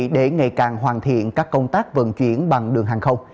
để ngày càng hoàn thiện các công tác vận chuyển bằng đường hàng không